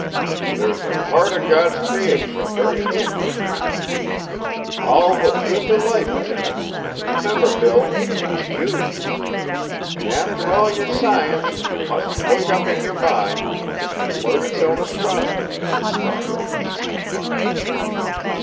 There's a part o' Cod's creation very handy t' yer view, Al' the truth o' life is in it an' remember, Bill, it's you. An' after all yer science ye must look up in yer mind, An' learn its own astronomy the star o' peace t' find.